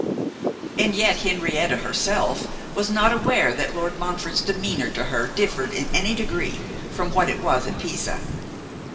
And yet Henrietta herself was not aware that Lord Montfort's demeanour to her differed in any degree from what it was at Pisa.